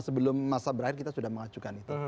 sebelum masa berakhir kita sudah mengajukan itu